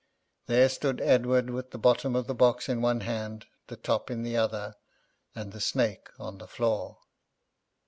There stood Edward with the bottom of the box in one hand, the top in the other, and the snake on the floor.